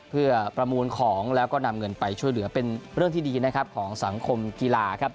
เพื่อประมูลของแล้วก็นำเงินไปช่วยเหลือเป็นเรื่องที่ดีนะครับของสังคมกีฬาครับ